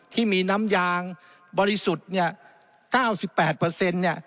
ที่มีน้ำยางบริสุทธิ์เนี่ยเก้าสิบแปดเปอร์เซ็นต์เนี่ย